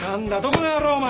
この野郎お前！